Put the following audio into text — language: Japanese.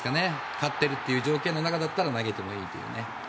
勝っているという条件の中だったら投げてもいいというね。